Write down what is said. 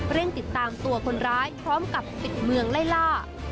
ติดตามตัวคนร้ายพร้อมกับปิดเมืองไล่ล่า